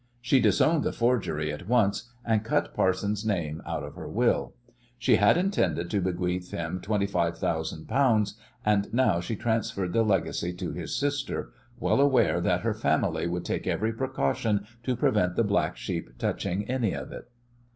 She disowned the forgery at once, and cut Parsons' name out of her will. She had intended to bequeath him twenty five thousand pounds, and now she transferred the legacy to his sister, well aware that her family would take every precaution to prevent the "black sheep" touching any of it.